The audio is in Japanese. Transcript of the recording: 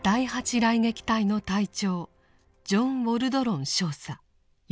雷撃隊の隊長ジョン・ウォルドロン少佐４１歳。